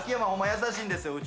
優しいんですよ。